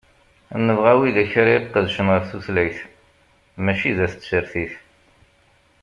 Nebɣa widak ara iqedcen ɣef tutlayt, mačči d at tsertit.